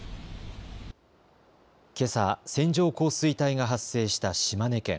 けさ線状降水帯が発生した島根県。